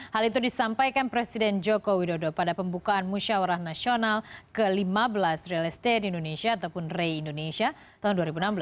hal itu disampaikan presiden joko widodo pada pembukaan musyawarah nasional ke lima belas real estate indonesia ataupun ray indonesia tahun dua ribu enam belas